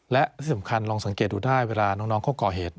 และที่สำคัญลองสังเกตดูได้เวลาน้องเขาก่อเหตุ